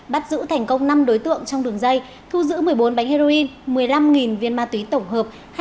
bắt giữ thành công năm đối tượng trong đường dây thu giữ một mươi bốn bánh heroin một mươi năm viên ma túy tổng hợp